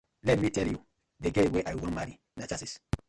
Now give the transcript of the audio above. Lemme teeh yu, de girl wey I wan marry na chasis.